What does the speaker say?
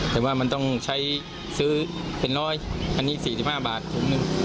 แต่ว่ามันต้องใช้ซื้อเป็นร้อยอันนี้๔๕บาทถุงหนึ่ง